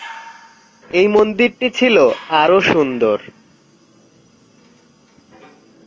এই মন্দিরটি ছিল আরও সুন্দর।